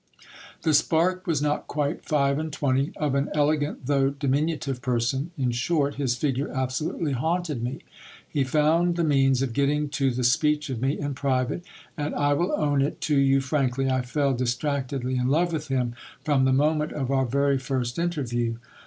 The spark was not quite five and twenty ; of an elegant, though di minutive person ;.... in short, his figure absolutely haunted me. He found the means of getting to the speech of me in private ; and, I will own it to you frankly, I fell distractedly in love with him from the moment of our very first in terview.